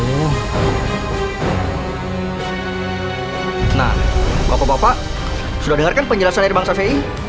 nah bapak bapak sudah dengarkan penjelasan dari bang syafei